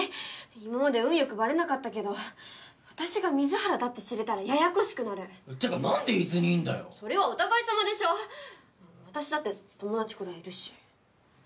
今まで運よくばれなかったけど私が水原だって知れたらややこしくなるってかなんで伊豆にいんだよそれはお互いさまでしょ私だって友達くらいいるし